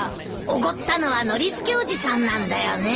おごったのはノリスケおじさんなんだよね？